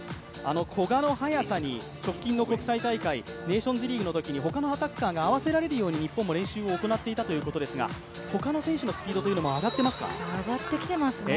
古賀の速さに直近の国際大会、ネーションズリーグのときに他のアタッカーが合わせられるように日本も練習していたということですが、他の選手のスピード、上がってきていますか。